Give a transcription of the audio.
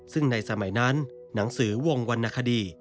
ซึ่งในสมัยนั้นหนังสือวงวรรณคดี